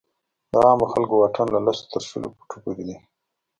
د عامو خلکو واټن له لسو تر شلو فوټو پورې دی.